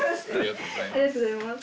ありがとうございます。